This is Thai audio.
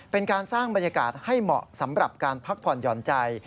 เป็นการสร้างบรรยากาศให้เหมาะสำหรับการพักผ่อนหย่อนใจ